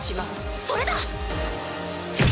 それだ！